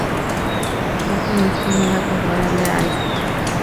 No conozco nada comparable a esto".